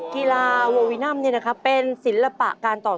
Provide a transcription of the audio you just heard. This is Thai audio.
กีฬาโววินัมเนี่ยเป็นศิลปะการต่อสู้ป้องกันตัวจากเวียดนามนะครับ